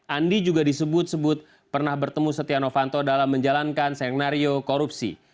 andi juga disebut sebut pernah bertemu setia novanto dalam menjalankan sengnario korupsi